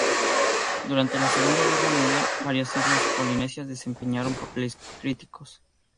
Durante la Segunda Guerra Mundial, varias islas polinesias desempeñaron papeles críticos.